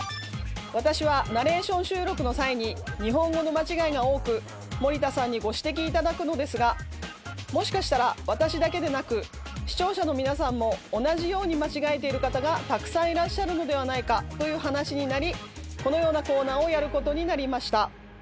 私はナレーション収録の際に日本語の間違いが多く森田さんにご指摘頂くのですがもしかしたら私だけでなく視聴者の皆さんも同じように間違えている方がたくさんいらっしゃるのではないかという話になりこのようなコーナーをやることになりました。